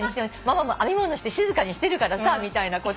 ママも編み物して静かにしてるからさみたいなこと。